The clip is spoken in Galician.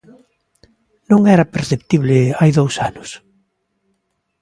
¿Non era perceptible hai dous anos?